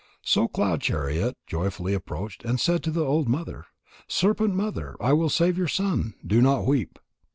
So Cloud chariot joyfully approached and said to the old mother: "Serpent mother, I will save your son. Do not weep."